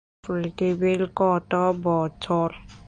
County আসন হল Folkestone.